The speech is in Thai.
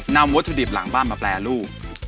วัตถุดิบหลังบ้านมาแปรรูป